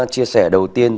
chia sẻ đầu tiên